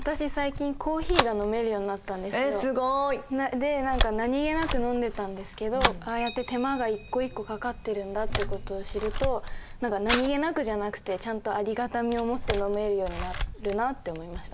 で何か何気なく飲んでたんですけどああやって手間が一個一個かかっているんだってことを知ると何気なくじゃなくてちゃんとありがたみを持って飲めるようになるなって思いました。